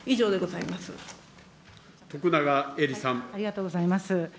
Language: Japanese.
ありがとうございます。